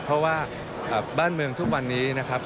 เพราะว่าบ้านเมืองทุกวันนี้นะครับ